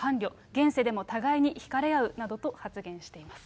現世でも互いに引かれ合うなどと発言しています。